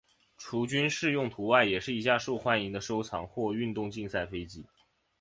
除了军事用途外也是一架受欢迎的收藏或运动竞赛飞机。